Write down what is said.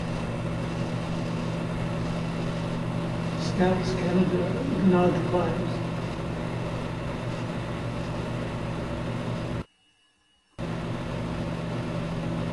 Scouts Canada denied the claims.